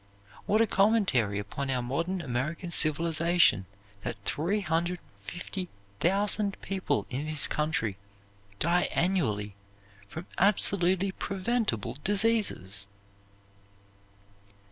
What a commentary upon our modern American civilization that three hundred and fifty thousand people in this country die annually from absolutely preventable diseases!